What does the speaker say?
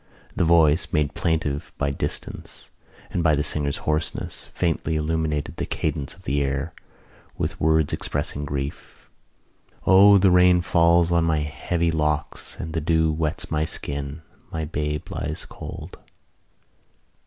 The voice, made plaintive by distance and by the singer's hoarseness, faintly illuminated the cadence of the air with words expressing grief: O, the rain falls on my heavy locks And the dew wets my skin, My babe lies cold....